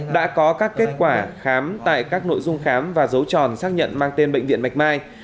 đã có các kết quả khám tại các nội dung khám và dấu tròn xác nhận mang tên bệnh viện bạch mai